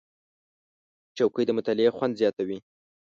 چوکۍ د مطالعې خوند زیاتوي.